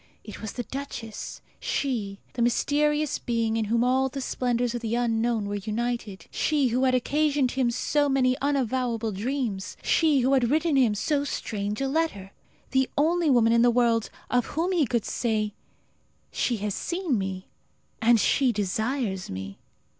It was the duchess she, the mysterious being in whom all the splendours of the unknown were united; she who had occasioned him so many unavowable dreams; she who had written him so strange a letter! The only woman in the world of whom he could say, "She has seen me, and she desires me!"